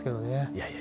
いやいや。